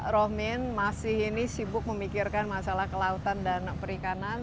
rohmin masih ini sibuk memikirkan masalah kelautan dan perikanan